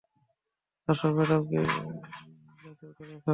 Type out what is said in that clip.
আসো, ম্যাডাম কে গাছে উঠে দেখাও।